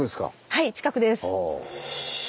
はい近くです。